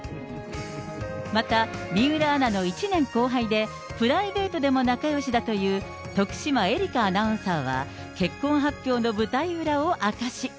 また、水卜アナの１年後輩で、プライベートでも仲よしだという、徳島えりかアナウンサーは、結婚発表の舞台裏を明かし。